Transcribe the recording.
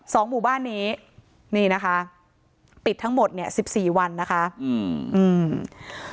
หมู่บ้านนี้นี่นะคะปิดทั้งหมดเนี้ยสิบสี่วันนะคะอืมอืม